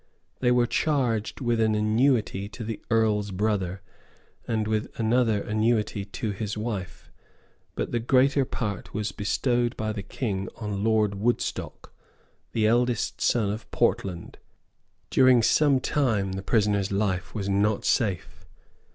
They were charged with an annuity to the Earl's brother, and with another annuity to his wife; but the greater part was bestowed by the King on Lord Woodstock, the eldest son of Portland; During some time, the prisoner's life was not safe.